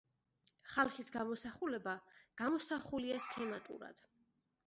ხალხის გამოსახულება გამოსახულია სქემატურად.